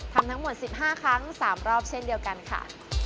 ทำทั้งหมด๑๕ครั้ง๓รอบเช่นเดียวกันค่ะ